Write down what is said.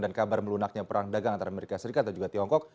dan kabar melunaknya perang dagang antara amerika serikat dan juga tiongkok